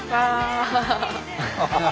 アハハハハ。